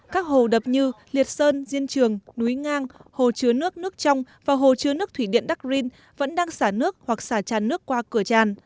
các hồ đập như liệt sơn diên trường núi ngang hồ chứa nước nước trong và hồ chứa nước thủy điện đắc rinh vẫn đang xả nước hoặc xả tràn nước qua cửa tràn